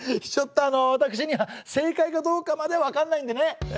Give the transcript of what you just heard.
ちょっとあの私には正解かどうかまではわかんないんでね。